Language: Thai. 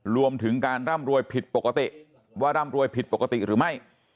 รวมถึงการร่ำรวยผิดปกติว่าร่ำรวยผิดปกติหรือไม่